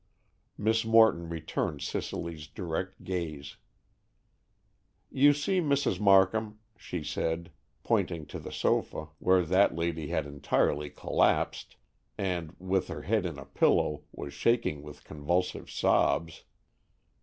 Miss Morton returned Cicely's direct gaze. "You see Mrs. Markham," she said, pointing to the sofa, where that lady had entirely collapsed, and, with her head in a pillow, was shaking with convulsive sobs.